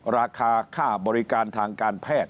ราคาค่าบริการทางการแพทย์